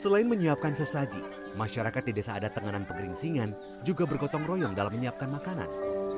selain menyiapkan sesaji masyarakat di desa adatenganan pegeringsingan juga bergotong royong dalam menyiapkan makanan